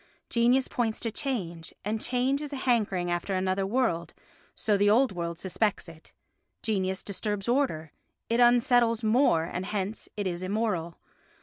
Genius points to change, and change is a hankering after another world, so the old world suspects it. Genius disturbs order, it unsettles mores and hence it is immoral.